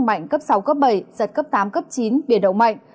gió đông bắc mạnh cấp sáu cấp bảy giật cấp tám cấp chín biển đông mạnh